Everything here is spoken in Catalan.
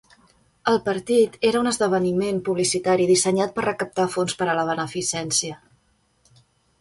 El partit era un esdeveniment publicitari dissenyat per recaptar fons per a la beneficència.